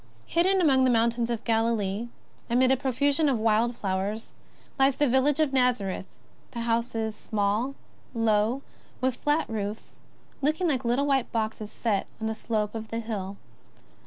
Hidden among the mountains of Galilee, amid a pro fusion of wild flowers, lies the village of Xazareth, the houses, small, low, with flat roofs, looking like little white boxes set on the slope of the hill.